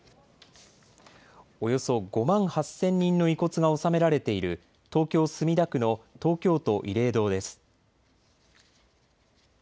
およそ５万８０００人の遺骨が納められている東京墨田区の東京都慰霊堂です。